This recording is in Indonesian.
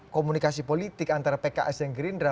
komunikasi politik antara pks dan gerindra